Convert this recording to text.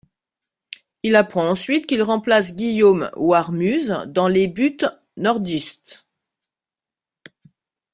Il apprend ensuite qu'il remplace Guillaume Warmuz dans les buts nordistes.